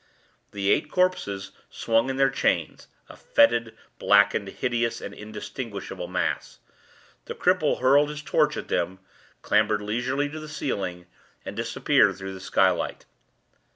The eight corpses swung in their chains, a fetid, blackened, hideous, and indistinguishable mass. The cripple hurled his torch at them, clambered leisurely to the ceiling, and disappeared through the sky light.